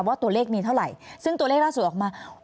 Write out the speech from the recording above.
ว่าตัวเลขมีเท่าไหร่ซึ่งตัวเลขล่าสุดออกมา